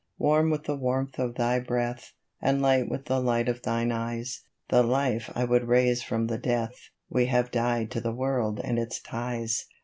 Warm with the warmth of thy breath, And light with the light of thine eyes, The life I would raise from the death We have died to the World and its ties